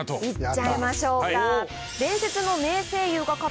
いっちゃいましょうか。